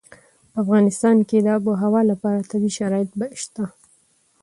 په افغانستان کې د آب وهوا لپاره طبیعي شرایط شته.